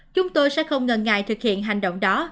chúng tôi sẽ không ngần ngại thực hiện hành động đó